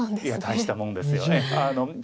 いや大したもんですよね。